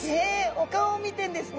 お顔見てんですね。